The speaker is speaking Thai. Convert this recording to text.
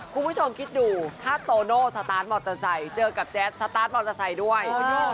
คุณผู้ชมคิดดูถ้าโตโน่สตาร์ทมอเตอร์ไซค์เจอกับแจ๊สสตาร์ทมอเตอร์ไซค์ด้วย